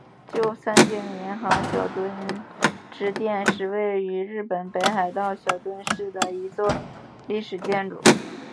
旧三井银行小樽支店是位于日本北海道小樽市的一座历史建筑。